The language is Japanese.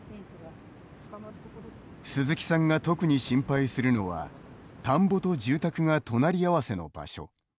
鈴木さんが特に心配するのは田んぼと住宅が隣り合わせの場所。